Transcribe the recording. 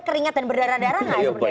keringat dan berdarah darah nggak sebenarnya